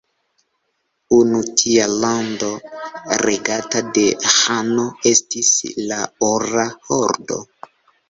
Unu tia lando regata de ĥano estis la Ora Hordo.